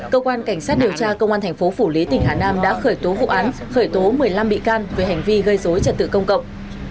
cơ quan cảnh sát điều tra công an thành phố phủ lý tỉnh hà nam đã khởi tố vụ án khởi tố một mươi năm bị can về hành vi gây dối trật tự công cộng